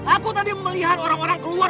aku tadi melihat orang orang keluar